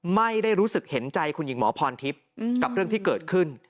ไม่ได้รู้สึกเห็นใจคุณหญิงหมอพรทิพย์กับเรื่องที่เกิดขึ้น